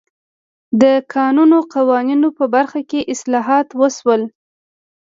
د کانونو قوانینو په برخه کې اصلاحات وشول.